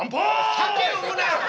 酒飲むなよ！